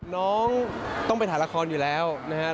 น้องต้องไปถ่ายละครอยู่แล้วนะครับ